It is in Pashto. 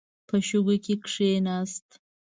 په شګو کې کښیناست.